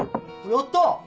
やったぁ！